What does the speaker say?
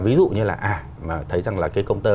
ví dụ như là à mà thấy rằng là cái công tơ